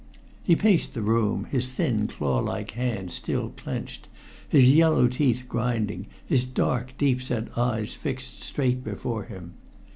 He paced the big room, his thin claw like hands still clenched, his yellow teeth grinding, his dark, deep set eyes fixed straight before him.